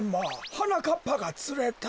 はなかっぱがつれた。